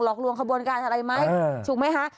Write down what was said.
หลอกลวงคบวนการณ์อะไรไหมถูกไหมครับ